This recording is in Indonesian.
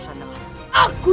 dan menangkap kake guru